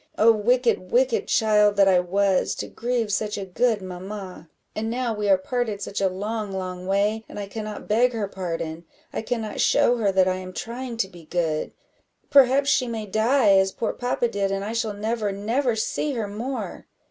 Oh, wicked, wicked child that I was, to grieve such a good mamma! and now we are parted such a long, long way, and I cannot beg her pardon I cannot show her that I am trying to be good; perhaps she may die, as poor papa did, and I shall never, never see her more."